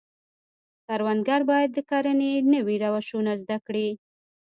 کروندګر باید د کرنې نوي روشونه زده کړي.